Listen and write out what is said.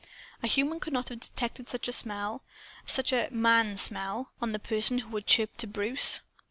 A human could not have detected such a smell such a MAN smell, on the person who had chirped to Bruce.